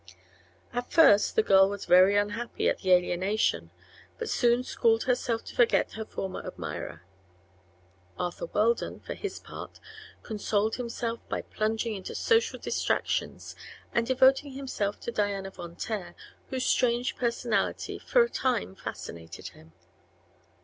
At first the girl was very unhappy at the alienation, but soon schooled herself to forget her former admirer. Arthur Weldon, for his part, consoled himself by plunging into social distractions and devoting himself to Diana Von Taer, whose strange personality for a time fascinated him.